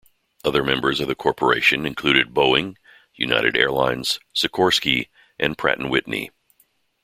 Other members of the corporation included Boeing, United Airlines, Sikorsky, and Pratt and Whitney.